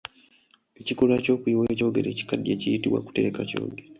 Ekikolwa ky’okuyiwa ekyogero ekikaddiye kiyitibwa Kutereka kyogero.